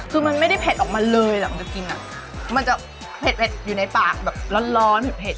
คือมันไม่ได้เผ็ดออกมาเลยอะมันจะกินอ่ะมันจะเผ็ดเผ็ดอยู่ในปากแบบร้อนร้อนเผ็ดเผ็ด